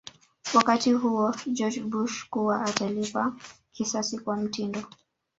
wakati huo George Bush kuwa atalipa kisasi kwa mtindo